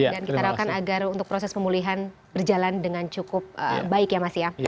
dan kita harapkan agar untuk proses pemulihan berjalan dengan cukup baik ya mas ya